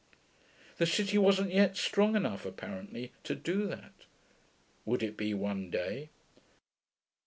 The city wasn't yet strong enough, apparently, to do that. Would it be one day?